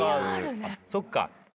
そっか。